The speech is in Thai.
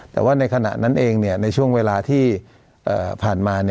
แต่ว่าในขณะนั้นเองในช่วงเวลาที่ผ่านมา